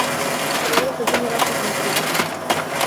Oraingoz ez du inolako azalpenik eman.